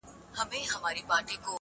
دُرانیډک له معناوو لوی انسان دی,